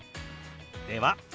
では。